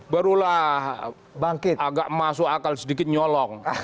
barulah agak masuk akal sedikit nyolong